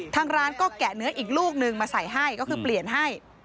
ทางร้านก็แกะเนื้ออีกลูกนึงมาใส่ให้ก็คือเปลี่ยนให้